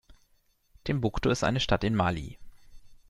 Timbuktu ist eine Stadt in Mali.